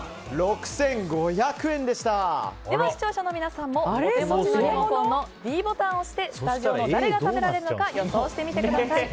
そして視聴者の皆さんもお手持ちのリモコンのｄボタンを押してスタジオの誰が食べられるのか予想してみてください。